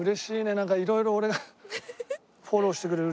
なんかいろいろ俺がフォローしてくれる。